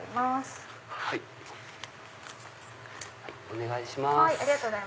お願いします。